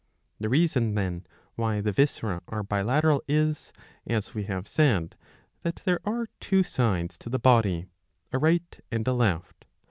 The reason, then, why the viscera are bilateral is, as we have said, that there are two sides to the body, a right and a left.'''